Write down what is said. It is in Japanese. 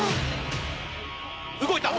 動いた！